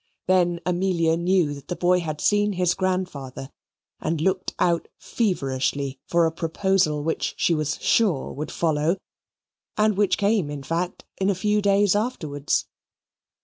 Then Amelia knew that the boy had seen his grandfather; and looked out feverishly for a proposal which she was sure would follow, and which came, in fact, in a few days afterwards.